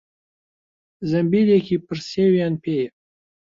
زەمبیلێکی پڕ سێویان پێیە.